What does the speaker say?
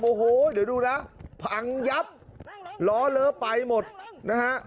โอ้โหเดี๋ยวดูนะพังยับล้อเลอะไปหมดนะฮะ